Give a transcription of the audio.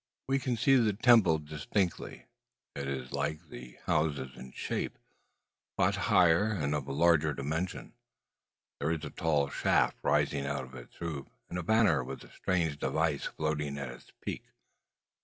We can see the temple distinctly. It is like the houses in shape, but higher and of larger dimensions. There is a tall shaft rising out of its roof, and a banner with a strange device floating at its peak.